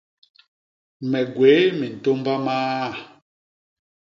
Me gwéé mintômba miaa.